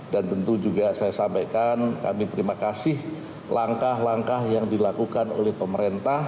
dan tentu juga saya sampaikan kami terima kasih langkah langkah yang dilakukan oleh pemerintah